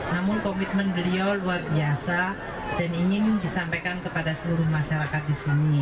namun komitmen beliau luar biasa dan ingin disampaikan kepada seluruh masyarakat di sini